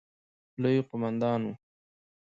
لوی قوماندان وو.